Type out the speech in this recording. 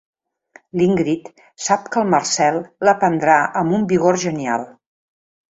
L'Ingrid sap que el Marcel la prendrà amb un vigor genial.